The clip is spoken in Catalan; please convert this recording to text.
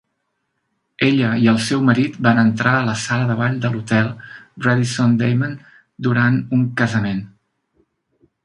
Ella i el seu marit van entrar a la sala de ball de l'hotel Radisson d'Amman durant un casament.